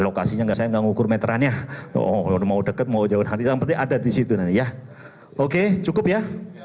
lokasinya saya nggak ngukur meterannya mau dekat mau jauh nanti ada di situ oke cukup ya